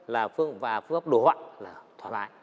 và phương pháp đồ họa